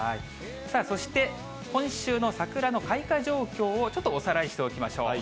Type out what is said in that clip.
そして今週の桜の開花状況をちょっとおさらいしておきましょう。